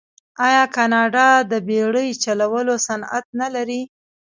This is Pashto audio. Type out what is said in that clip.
آیا کاناډا د بیړۍ چلولو صنعت نلري؟